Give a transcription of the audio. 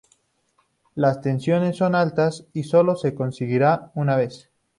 Las tensiones son altas, y sólo se conseguirá una vez.